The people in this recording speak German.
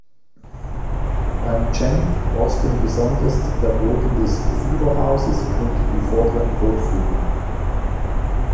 Beim Champ rosten besonders der Boden des Führerhauses und die vorderen Kotflügel.